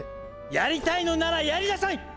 やりたいのならやりなさい！